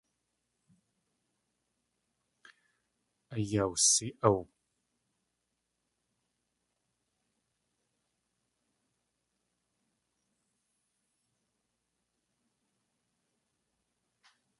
Ayawsi.áw.